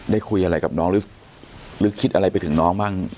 คุยอะไรกับน้องหรือคิดอะไรไปถึงน้องบ้าง